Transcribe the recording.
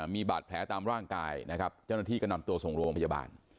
มีบาดแผลตามร่างกายนะครับเจ้าหน้าที่ก็นำตัวส่งโรงพยาบาล